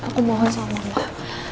aku mohon salam allah